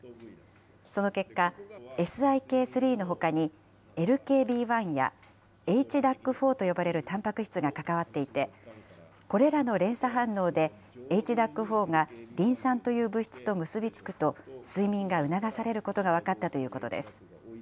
その結果、ＳＩＫ３のほかに、ＬＫＢ１やＨＤＡＣ４と呼ばれるたんぱく質が関わっていて、これらの連鎖反応で、ＨＤＡＣ４がリン酸という物質と結び付くと、睡眠が促されることが分かったということです。